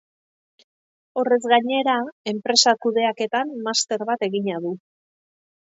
Horrez gainera, enpresa kudeaketan master bat egina du.